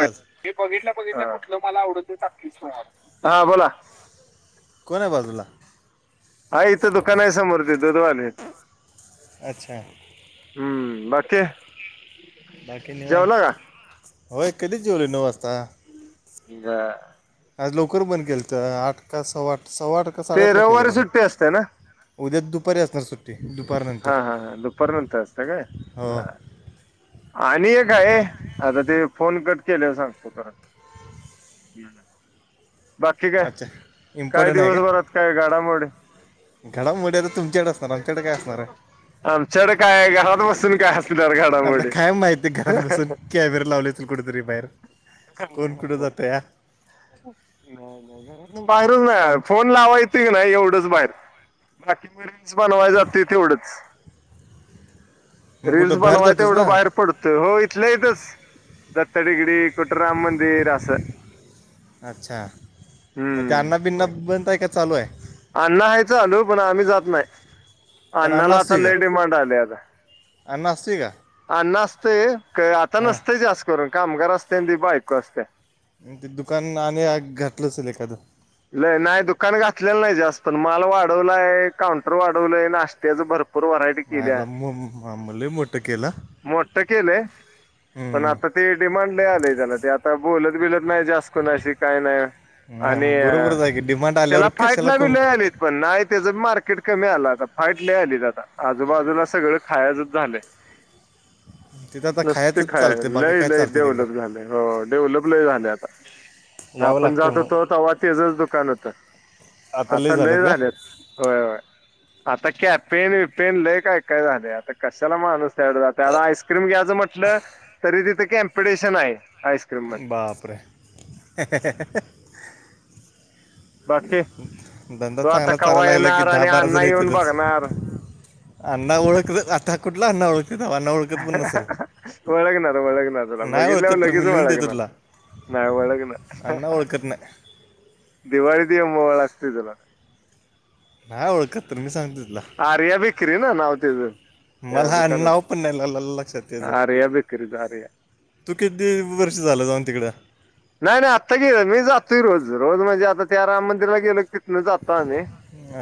आवाज मी बघितल्या बघितल्या कुठल मला आवडलं ते टाकतोय सुवात हा बोला. कोण आहे बाजूला. हाय इथं दुकान आहे समोर ते दुधवालेत अच्छा हम्म बाकी. बाकी निवांत जेवला का होय कधीच जेवलोय नऊ वाजता. बर. आज लवकर बंद केलत तर आठ का सव्वा सव्वा आठ का ते साडेआठला केले रविवारी बंद सुट्टी असतीया ना. उद्या दुपारी असणार सूट ते दुपारनं. हा हा हा दुपार नंतर असतीया काय हो बर. आणि एक आहे आता ते फोन कट केल्यावर सांगतो परत. बाकी काय, अच्छा काय इम्पॉर्टंट आहे का दिवसभरात काय घाडामोड? घडामोडी आता तुमच्याकड असणार, आमच्याकड काय असणार हाय. आमच्याकड काय घरात बसून काय अस आता काय माहिती घरात बसून कॅमेरा लावले असतील कुठेतरी बाहेर कोण. कुठ जातया. नाही नाही घरात बाहेरून फोन आमच्या लावाय ते नाही एवढंच बाहेर. [unintelligible] बनवाय जाते तेवढंच. [inaudible] रील्स कुठं बाहेर बनवाय जातोस ना तेवढं बाहेर पडतो, हो इथल्या इथंच. दत्त डीगडी, कुठं राम मंदिर असं. अच्छा. हम्म. गाना बिना होय. बंद हाय का चालू हाय? अण्णा ह्याय चालू, पण आम्ही जात न्हाय. पण अण्णा अण्णाला आता असतोय का लय डीमांड आल्या आता. अण्णा असतोय का अण्णा असतंय, क आता हां नसतंय जास्त करून, कामगार असतंय आणि त्याची बायको असत्या. ते दुकान आणि घातलं असेल एखादं? लय नाय दुकान घात ल्याला नाही जास्त. पण माल वाढवलाय, काउंटर वाढवलंय, नाश्त्याचं भर पूर व्हरायटी किल्या, मायाला म- म- लय मोठं केलं मोठ केलंय. पण हम्म. आता ते डिमांड लय आलय त्याला, ते आता बोलत बिलत नाय जास्त. कुणाशी काय नाय आणि नाही, बरोबरच आहे की डिमांड आल्यावर त्याला कशाला फाईटलाबी कोण लय तेच पण नाही तेचबी मार्केट कमी आलं आता, फाईट लय आलीत आता, आजूबाजूला सगळं खायाचंच झालंय. [inaudible] आता नुसती खायचंच खायाय, चालते बाकी लय काय लय चालते तिकडं डेव्हलप झालंय, हो डेव्हलप लय झालंय आता. मग यावं आपण लागते जात मग हुतो, तवा तेचच दुकान होतं. आता लय झाल्यात. होय होय. आता कॅफे बीपे लय काय काय झालंय, आता कशाला माणूस [unintelligible] आईस्क्रीम घ्यायचं म्हटलं, तरी तिथं कॅम्पिटेशन हाय. बापरे. बाकी धंदा तो आता चांगलाच कवा चालायला लागला की, येणार दहा आणि बारा अण्णा जणी येऊन येतातच. बघणार अण्णा ओळखलं, आता कुठला अण्णा ओळख तिथं अण्णा ओळखत पण नसल. ओळखणार ओळखणार तुला नाही बघितल्यावर ओळखत तर लगेच मी लिहून देतो ओळखणार तुला. नाही ओळख ना अण्णा ओळखत नाय. दिवाळीत ये मोवाळ लागतंय तुला. नाही ओळखत तर मी सांगतो तुला आर्या बिकरी ना नाव तेज? का मला दुकानच? नाव पण नाही लागलं लक्षात त्याचं आर्या बेकरीत आर्या. तू किती वर्ष झालं जाऊन तिकडं? नाही नाही आत्ता गेलं, मी जातोय रोज. रोज म्हणजे आता त्या राम मंदिरला गेलो की ति इथनं जातो आम्ही,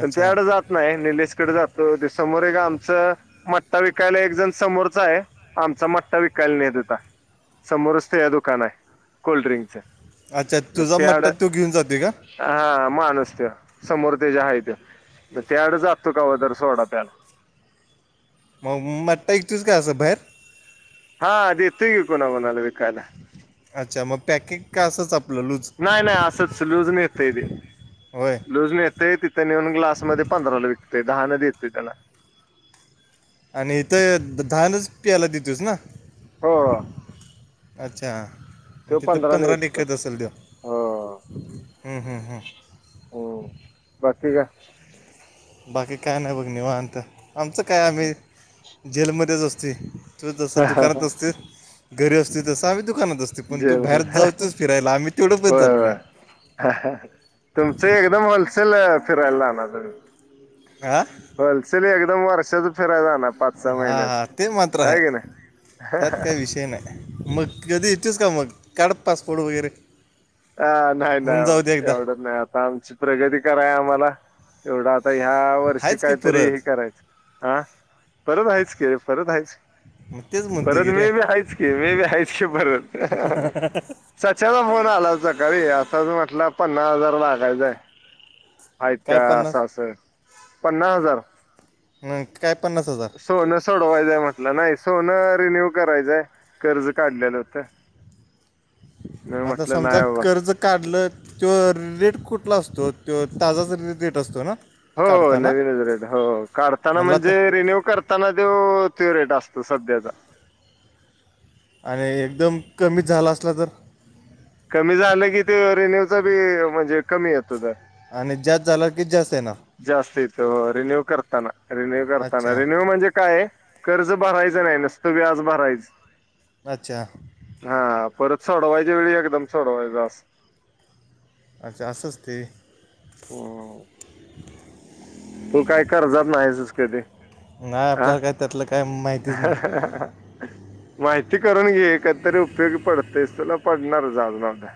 पण त्याकड जात नाही निलेशकडे जातो. ते समोर एक आमचं मट्टा विकायला एक जण समोरचा हाय. आमचा मट्टा विकायला नेत हुता. समोरच ते या दुकान हाय कोल्ड्रिंकच. अच्छा तुझा मट्टा तो घेऊन जातोय का? हा माणूस त्यो. समोर तेज्या हे त्या, मग त्याकड जातो कवातर सोडा प्याला. मग मट्टा इकतूस काय असं भायर? हा देतोय की कुणाकुणाला विकायला. अच्छा मग पॅकेट का असंच आपलं लूज नाही नाही असंच लूजनं येतंय तेे. होय लूज नेतंय तिथं नेऊन ग्लासमध्ये पंधराला विकतय, दहान देतंय त्याला. आणि इथं धानच पियायला दितूस ना? हो अच्छा तो मग तिथं पंधराने पंधरानं विकतो विकत असेल त्यो? हो हं हं हं. अं बाकी काय बाकी काय नाही बघ निवांत आमचं काय आम्ही जेलमध्येच असतोयं. तु जसं दुकानात असते घरी असते तसं आम्ही दुकानात अस जर अ हं हं पण व्हयं जात नाही व्हयं अ हा हा तुमचं ए ते होलसेल फिरयला लागणार तर आ. होलसेल एकदम वर्षाचं फिराय जाणार. पाच सहा हा महिन्याच हा ते मात्र हाय आहे की नाही त्यात काय विषय नाय. मग कधी येतोस का मग काढ पासपोर्ट वगैरे. आ नाही नाही होऊन जाऊ दे आबा एकदा एवढ्यात नाही आता आमची प्रगती कराय आम्हाला एवढं आ आता ह्यावर्षी आहेच की काहीतरी हि परत करायचं आ परत आहेच की परत आहेच. मग तेच म्हणते परत की रे वेळ बी हायच की वेळ हायच की परत हं हं हं. चाचा फोन आला सकाळी अता म्हटलं पन्नास हजार सांगायचं आहे. आहेत काय का पन्नास असं असं पन्नास हजार. हं, काय पन्नास हजार सोनं सोडवायचंय म्हटलं नाही सोनं रिन्यू करायचंय, कर्ज काढलेलं होतं. [inaudible] नाही म्हटलं नाही गट बाबा कर्ज काढलं. त्यो रेट कुठला असतो त्यो ताजाच र रेट असतो ना. हो काढताना नवीन रेट हो काढताना म्हणला आता म्हणजे रिन्यू कर त्यांना त्यो त्यो रेट असतो सध्याचा. आणि एकदम कमीचं झाला असला तर. कमी झालं की त्यो रिन्यूचा बी म्हणजे कमी येतो दर. आणि जास्त झालं की जास्त येणार. जास्त येतो हो रिन्यू करताना रिन्यू करताना अच्छा रिन्यू म्हणजे काय? कर्ज भरायच नाय नुसतं व्याज भरायच. अच्छा. हा परत सोडवायच्या वेळी एकदम सोडवायच असं. अच्छा असं असतयं वय. हम्म तू काय कर्जात नाहीसचं कधी. नाय हा आपल्याला काय त्यातलं काय माहितीच नाही. माहिती करून घे कदीतरी उपयोगी पडतयचं तुला पडणारचं आज ना उद्या.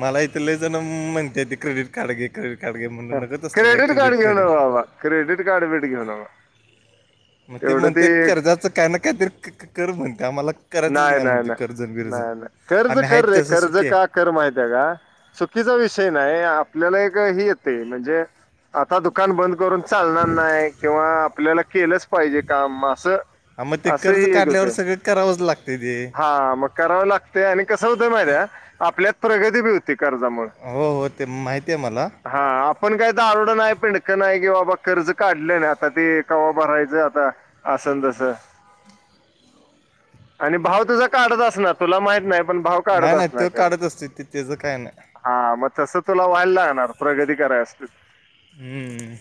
मला इथले जणण माहीत क्रेडिट कार्ड घे क्रेडिट कार्ड घे म्हणून नगत असलं काय कार्ड क्रेडिट घेऊ नका क्रेडिट बाबा क्रेडिट कार्ड बीर्ड घेऊ नका. मग ते म्हणतीया कर्जाचं काय ना काहीतरी क क कर म्हणतीया मला नाय नाय नाय नाय नाय कर्ज आम्ही आहेत कर रे तसं कर्ज सुखी आहे काढ कर माहितयं का चुकीचा विषय नाही आपल्याला एक हि येतयं म्हणजे आता दुकान बंद करून चालणार नाही किंवा आपल्याला केलंच पाहिजे काम अस अस एक होतय करावच लागतयं ते हा मग करावं लागतयं आणि कस होतय माहीतय का आपल्यात प्रगती बी होती कर्जामुळं‌. हो हो ते माहितीये मला. हा आपण काय तर दारूडं नाही पिडकं नाही कि बाबा कर्ज काढलं न आणि आता ते कवा भरायचं आता असं आण तसं. आणि भाव तुझा काढत अस न तुला माहित नाही पण भाव नाय काढत नाय असणार तो कर्ज काढत असतोय त्यो त्याचं काही नाही. हा मग तसं तुला व्हायला लागणार प्रगती कराय असं हम्म.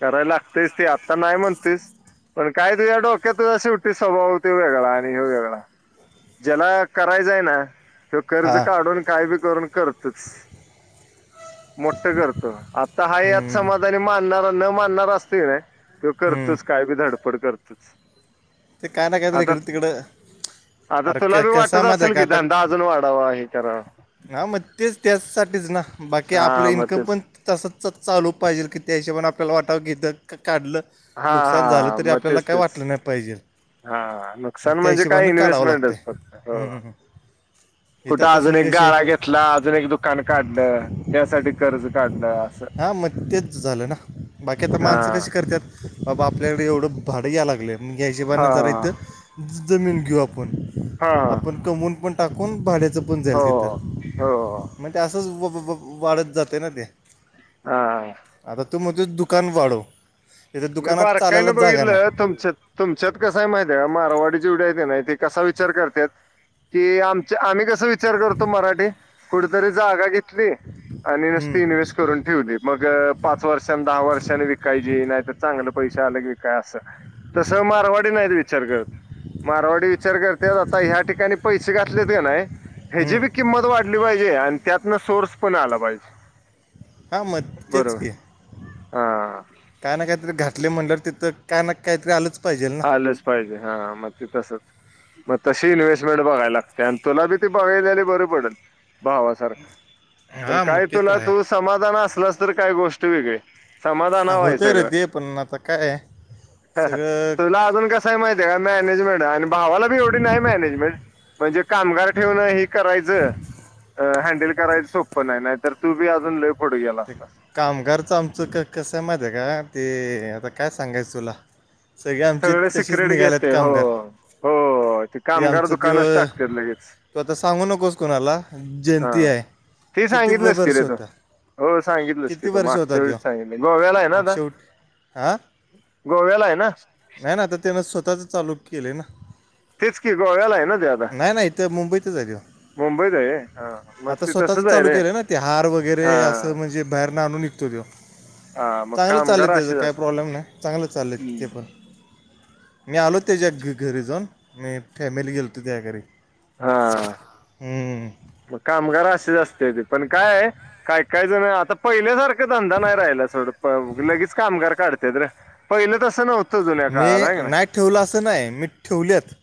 कराय लागतयचं ते आता नाही म्हणतोयस. पण काय तुझ्या डोक्यात तुझ्या शेवटी स्वभाव त्यो वेगळाय. वेेगळा ज्याला करायचय ना ते कर्ज हा काढून काय करून कर तुक्ष मोठं करतो आता हाय यात हम्म, समाधानी मानणार न मानणार असते की नाही हम्म. करतोच काय बी धडपड करतोच. ते काय ना काय तर आता हिकडं तिकडं द आता अरे तुला क बी कसयं वाटत माहितयं असेल काय की आता धंदा को अजून वाढावा हे करावा हा मंग तेचं त्याचसाठीच ना बाकी आपलं हा मग इन्कम पण तेच तसंचच चालू पाहिजेल की त्या हिशोबाने आपल्याला वाटाव घेतलं का काढलं. हा नुकसान झालं हा तरी मग आपल्याला तेच काय तेच वाटलं नाही पाहिजे. हा मग नुकसान त्या म्हणजे काय हिशोबानं काढावं इन्व्हेस्टमेंटच लागतंय फक्त हो. हम्म, हम्म. इथं कुठं आता अजून एक सगळे कसे गाळा घेतला अजून एक दुकान काढलं त्यासाठी कर्ज काढलं. असं हा मग तेच झालं ना बाकी आता माणसं हा कशी करत्यात. बाबा आपल्याकडे एवढं भाडं या लागलंय म हिशेबाने हा जरा इथं जमीन घेऊ आपण. हा आपण कमवून पण टाकून भाड्याचं पण जाईल हो तिथे. हो म ते त्या असाच व व व वाढत जातं ना ते. हा. आता तू मजूत दुकान वाढव. इथं मी दुकानात बार काय चालायला ना जागा बघितलं नाही तुमच्यात. तुमच्यात कसं आहे माहितय का मारवाडी जेवढ्या आहे की नाही ते कसा विचार करत्यात ते आमच आम्ही कसं विच विचार करतो मराठी कुठे तरी जागा घेतली आणि हम्म, नुसती इन्व्हेस्ट करून ठेवू मग पाच वर्षां दहा वर्षानी विकायची नाही तर चांगलं पैशे आले की विका असं तसं मारवाडी नाही विचार करत. मारवाडी विचार करते आता ह्या ठिकाणी पैसे घातलेत क नाय ह्याची हम्म. बी किंमत वाढली पाहिजे आणि त्यातनं सोर्स पण आला पाहिजे. हा मग बरोबर तेच की हा. काय ना काहीतरी घातले म्हटलं तिथं काय ना काहीतरी आलंच पाहिजे ना आलच पाहिजे हा मग ते तसच मग तशी इन्व्हेस्टमेंट बघायला लागते आणि तुला बी ती बघायलाली बरी पडेल भावा पण हा मग काय ते तर तुला आहे तू समाधान असलास तर काही गोष्ट वेगळे. समाधान हा, व्हाय होतंय रे सगळं. ते पण आता काय आहे, सगळं तुला क- अजून कसं आहे माहिती आहे का मॅनेजमेंट आणि भावाला बी एवढी नाही मॅनेजमेंट. म्हणजे कामगार ठेवणं हे करायचं. आ हँडल करायच सोप्पं नाहीतर तू बी अजून ले ते कामगारचं आमचं क कसं आहे माहिती आहे का ते आता काय सांगायचं तुला सगळे आमची सगळं तशीच सिक्रेट निघाल्यात घेते हो कामगार हो ते कामगार आमचं त्यो दुकानच टाकते लगेच तू आता सांगू नकोस कोणाला हा जयंती आहे. ते किती सांगितलं व- असती ते वर्ष रे तू होता हो सांगितलंस की किती तू वर्ष होता मागच्या वेळी त्यो सांगितलं गोव्याला आहे ना मग आता. शेवट हां गोव्याला आहे ना. नाही ना आता त्यान स्वतःच चालू केले ना.. तेच की गोव्याला आहे ना ते आता नाही नाही इथं मुंबईतच आहे गं. मुंबईत आहे हा मग आता ते स्वतःच तसच आहे चालू रे केलंय ना ते हार हा वगैरे असं म्हणजे बाहेर ना आणून निघतो तो. हा मग चांगलं चाललंय कामगार त्याचं असेच काही असतात प्रॉब्लेम नाही चांगलं चाललंय ते पण. मी आलो त्याच्या घ घरी जाऊन मी फॅमिली गेलोतो त्या घरी. हा हम्म. मग कामगार असे जास्त येते पण काय काय काय जण आता पहिल्यासार धंदा नाही राहिला सोड पव लगेच कामगार काढत्यात ते पहिलं तसं नव्ह मी नाही ठेवलं असं नाही मी ठेवलेत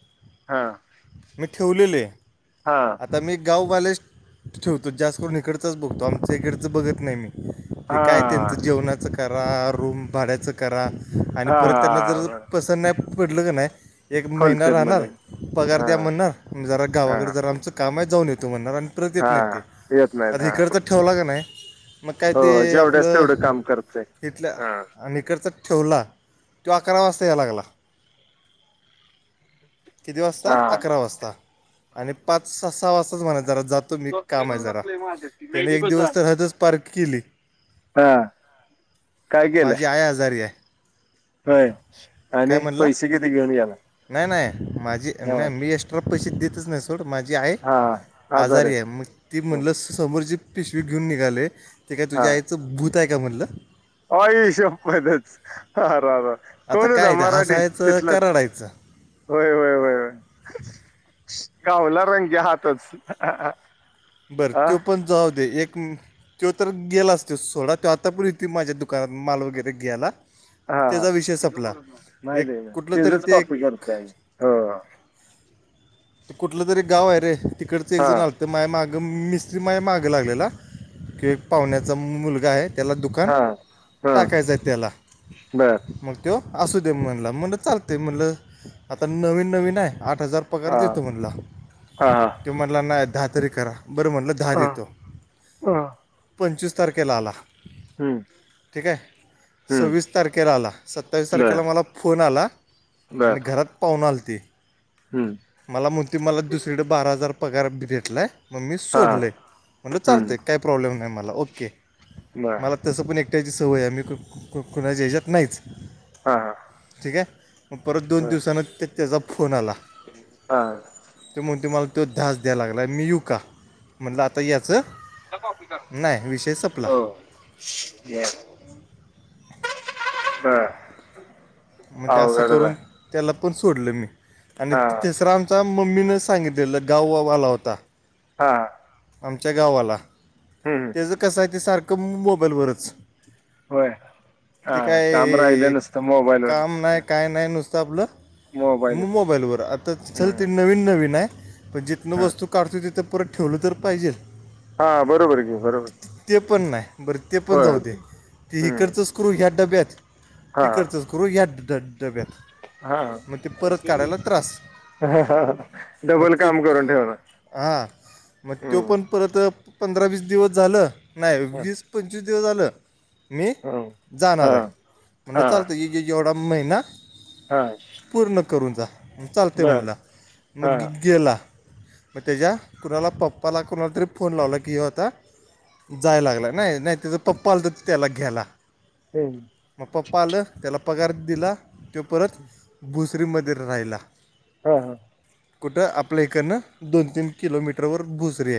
हा. मी ठेवलेले. हा आता मी गाववालेच ठेवतो जास्त करून इकडचाच बघतो आमच इकडचं बघत नाही मी. हा ते काय त्यांचं जेवणाचं करा रूम भाड्याचं करा आणि हा परत त्यांना जर हा पसंत नाही पडलं क नाही एक महिना होलसेल राहणार मध्ये पगार हा द्या म्हणणार जरा हा गावाकडे जरा आमचं काम आहे जाऊन येतो म्हणणार आणि परत येत हा नाही ते येत नाहीत आता हा इकडचं ठेवला का नाही? मग काय हो ते जेवढ्याच आपलं तेवढं काम करतय इथल्या हा आणि खर्च ठेवला तो अकरा वाजता याय लागला. किती वाजता हा अकरा वाजता आणि पाच स सहा वाजताच म्हणा जरा जात तो मी काम आहे जरा बसलंय त्याने एक माझ्या दिवस तर हद्दचं पार केली. हा माझी आय आजारी आहे. व्हयं. काय म्हणला नाही नाही माझी नाही मी एस पैसे देतच नाही सोड माझी आहे हा आजारी आहे मग ती म्हणलं समोरची पिशवी घेऊन निघालयं ते काय हा तुझ्या आईचं भूत आहे काय म्हणलं. आई शप्पथचं आ रा रा. आता कोण होता काय ते मराठी हसायचं का तिथलाच. रडायचं होय होय होय होय घावला रंगे हातच अ हा हा. बरं तो पण जाऊ दे एक म तो तर गेलाच तो सोडा तो आता बर येतोय माझ्या दुकानात माल वगैरे घ्यायला. हा त्याचा विषय संपला एक कुठलं तरी ते एक नर साय हो. ते कुठलं तरी गाव आहे रे तिकडच एक हा जण आलतं माझ्या माग गम मिस्त्री माझ मागं लागलेला की पाहुण्याचा मुलगा आहेत. त्याला दुकान हा हा टाकायचंय त्याला बर मग त्यो असू दे म्हणला म्हणलं चालतयं म्हणलं आता नवीन नवीन आहे आठ हजार पगार हा देत म्हणला हा तो म्हणला नाही दहा तरी करा बर म्हणलं दहा हा देतो हा पंचवीस तारखेला आला. हम्म. ठिक आहे. हम्म सव्वीस तारखेला आला सत्तावीस बर तारखेला मला फोन आला आणि बर घरात पाहूणं आलते. हम्म. मला म्हणतोय मला दुसरीकडं बारा हजार पगार भेटलाय. मग मी हा सोडलंयं म्हणलं हम्म चालतय काही प्रॉब्लेम नाही मला ओके बर मला तसं पण एक त्याची सवय मी कु कुणाच्या याच्यात नाहीच. हा हा. ठीक आहे मग परत दोन दिवसानं ते त्याचा फोन आला. हा. त्यो म्हणतोय मला तो दहाचं द्याय लागलाय मी येऊ का म्हणलं आता याचं नाही विषय सपला. हो बर. बर. मग ते असं करून त्याला पण सोडलं मी आणि हा ते तिसरा आम चा मम्मीनं सांगितलेल गाववाला होता. हा. आमच्या गावाला हम्म तेचं कसं आहे ते सारखं मोबाईलवरच. होय हा ते काम राइल काय नुस्त मोबाईलवर काम नाही हा. काय नाही नुसतं आपलं म मोबाईलवर आता चल हम्म ते नवीन नवीन आहे. पण जिथनं हा वस्तू काढतोय तिथं परत ठेवलं तर पाहिजेल. हा बरोबर घेऊ बरोबर. ते पण नाही बरं ते पण होय जाऊ दे ते हम्म इकडचंच करू ह्या डब्यात. हे हा करतच करू या ड डब्यात मग ते परत काढायला त्रास. हा हा मग डबल ते काम करून ठेवलं. हां. मग तो पण परत पंधरा वीस दिवस झालं नाही हं. वीस पंचवीस दिवस झाल. मी हं. जाणार आहे हां. म्हटलं चालतयं य ये ये येवढा महिना हा. पूर्ण करून जा चालते म्हणला मग हां. गे गेला. मग त्याच्या कुणाला पप्पाला कुणाला तरी फोन लावला की होता. जाय लागला नाही नाही त्याचा पप्पा आला तर त्याला घ्याला. हम्म. मग पप्पा आलं त्याला पगार दिला तो परत भुसरीमध्ये राहिला. हा हा. कुठं आपलं इकडनं दोन तीन किलोमीटर वर बुसरी आहे.